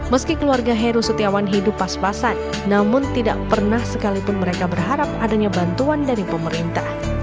meski keluarga heru setiawan hidup pas pasan namun tidak pernah sekalipun mereka berharap adanya bantuan dari pemerintah